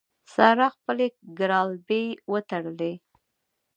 سارا خپلې ګرالبې وتړلې.